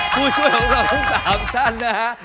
ผู้ช่วยของเราทั้ง๓ท่านนะฮะ